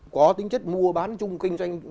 có tính chất mua bán chung kinh doanh